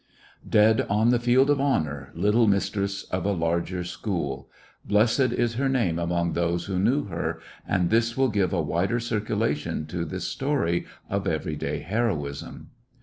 Dead on the field of honor, little mistress of a larger school ! Blessed is her name among those who knew her; and this will give a wider circulation to this story of every day heroism.